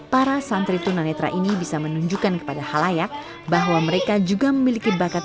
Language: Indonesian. para santri tunanetra ini bisa menunjukkan kepada halayak bahwa mereka juga memiliki bakat